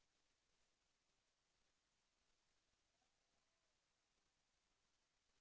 แสวได้ไงของเราก็เชียนนักอยู่ค่ะเป็นผู้ร่วมงานที่ดีมาก